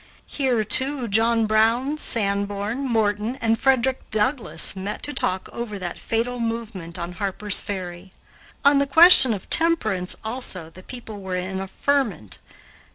Here, too, John Brown, Sanborn, Morton, and Frederick Douglass met to talk over that fatal movement on Harper's Ferry. On the question of temperance, also, the people were in a ferment.